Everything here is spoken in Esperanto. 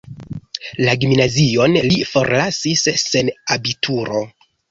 La gimnazion li forlasis sen abituro.